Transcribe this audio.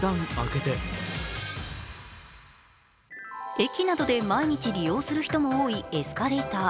駅などで毎日利用する人も多いエスカレーター。